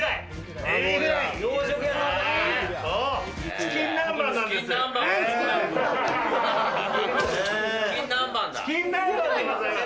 チキン南蛮でございます。